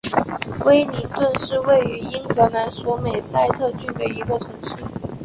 威灵顿是位于英格兰索美塞特郡的一个城市。